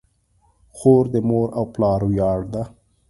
خور د مور او پلار ویاړ ده.